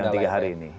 yang tiga hari ini